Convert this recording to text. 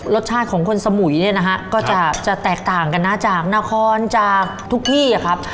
รสชาติของคนสมุยเนี่ยนะฮะก็จะแตกต่างกันนะจากนครจากทุกที่ครับ